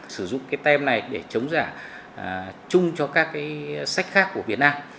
sử dụng cái tem này để chống giả chung cho các cái sách khác của việt nam